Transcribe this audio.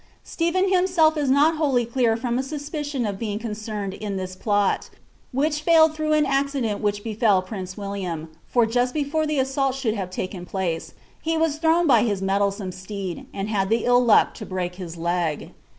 Ste phen himself is noi wholly clear from a suspicion of being coae«nM«IiL this plot, which failed through an accident which befell prince Wiltiua, for just before the assault should have taken place, he was thrown bjrhb metilesorae steed, and had ihe ill tuck lo break his leg.